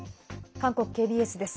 韓国ＫＢＳです。